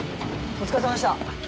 お疲れさまでした。